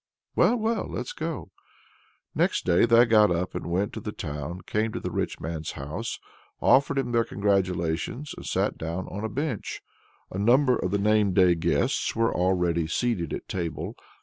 "Well, well! let's go." Next day they got up and went to the town, came to the rich man's house, offered him their congratulations, and sat down on a bench. A number of the name day guests were already seated at table.